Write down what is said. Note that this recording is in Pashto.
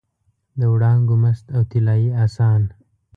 د وړانګو مست او طلايي اسان